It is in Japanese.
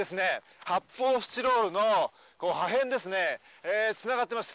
発泡スチロールの破片ですね、繋がっています。